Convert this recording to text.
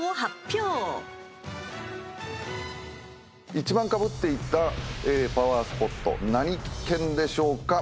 １番かぶっていたパワースポット何県でしょうか。